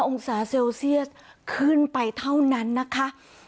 องศาเซลเซียสขึ้นไปเท่านั้นนะคะ